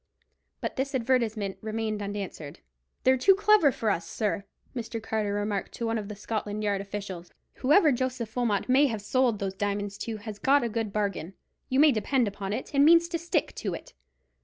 But this advertisement remained unanswered. "They're too clever for us, sir," Mr. Carter remarked to one of the Scotland Yard officials. "Whoever Joseph Wilmot may have sold those diamonds to has got a good bargain, you may depend upon it, and means to stick to it.